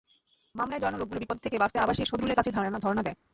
মামলায় জড়ানো লোকগুলো বিপদ থেকে বাঁচতে আবার সেই সদরুলের কাছেই ধরনা দেয়।